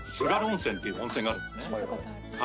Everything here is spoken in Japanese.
温泉っていう温泉があるんですね